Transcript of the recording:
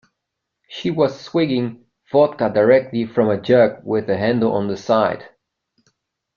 She was swigging vodka directly from a jug with a handle on the side.